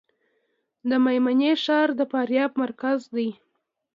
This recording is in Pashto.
د میمنې ښار د فاریاب مرکز دی